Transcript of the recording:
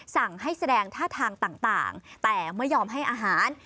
สั่งให้แสดงท่าทางต่างแต่ไม่ยอมให้อาหาร